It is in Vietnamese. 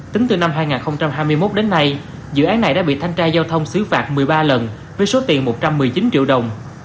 tính từ năm hai nghìn hai mươi một đến nay dự án này đã bị thanh tra giao thông xử phạt một mươi ba lần với số tiền một trăm một mươi chín triệu đồng